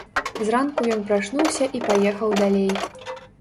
Зранку ён прачнуўся і паехаў далей.